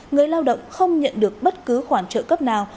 người lao động không nhận được bất cứ khoản trợ cấp nào